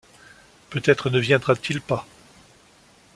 Peut-être ne viendra-t-il pas ?